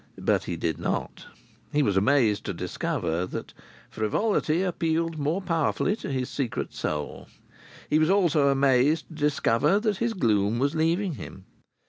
But he did not. He was amazed to discover that frivolity appealed more powerfully to his secret soul. He was also amazed to discover that his gloom was leaving him.